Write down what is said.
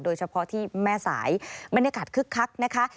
โดยเฉพาะที่แม่สายบรรยากาศคึกคักนะคะ